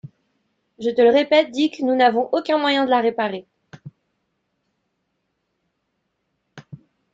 Je te le répète, Dick, nous n’avons aucun moyen de la réparer.